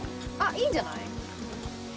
いいんじゃない？